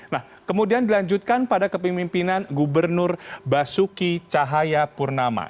nah kemudian dilanjutkan pada kepemimpinan gubernur basuki cahaya purnama